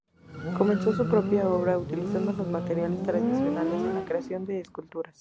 Comenzó su propia obra utilizando los materiales tradicionales en la creación de esculturas.